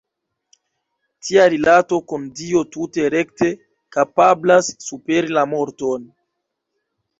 Tia rilato kun Dio tute rekte kapablas superi la morton.